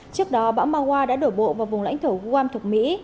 trước đó bão mawa đã đổ bộ vào vùng lãnh thổ guam thuộc mỹ